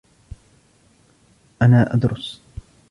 أنا أدرس